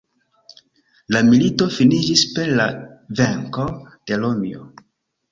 La milito finiĝis per la venko de Romio.